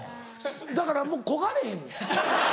だからもうこがれへんねや。